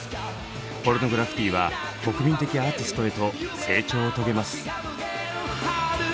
ポルノグラフィティは国民的アーティストへと成長を遂げます。